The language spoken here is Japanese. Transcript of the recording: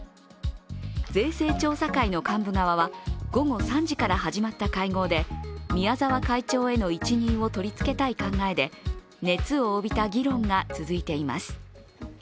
税制調査会の幹部側は午後３時から始まった会合で宮沢会長への一任を取り付けたい考えで熱を帯びた議論が続いています。